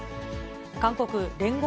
韓国聯合